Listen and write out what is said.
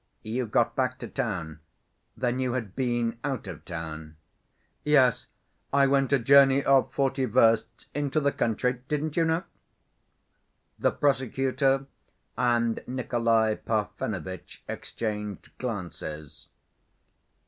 "You got back to town? Then you had been out of town?" "Yes, I went a journey of forty versts into the country. Didn't you know?" The prosecutor and Nikolay Parfenovitch exchanged glances.